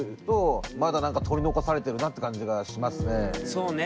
そうね。